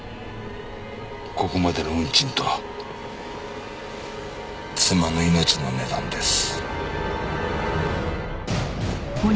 ここまでの運賃と妻の命の値段です。